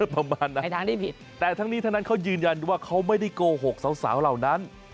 ประมาณนั้นแต่ทั้งนี้ทั้งนั้นเขายืนยันว่าเขาไม่ได้โกหกสาวเหล่านั้น